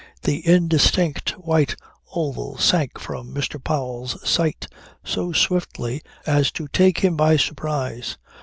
The indistinct white oval sank from Mr. Powell's sight so swiftly as to take him by surprise.